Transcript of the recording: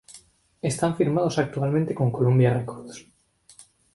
Están firmados actualmente con Columbia Records.